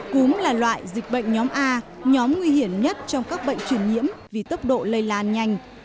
cúm là loại dịch bệnh nhóm a nhóm nguy hiểm nhất trong các bệnh truyền nhiễm vì tốc độ lây lan nhanh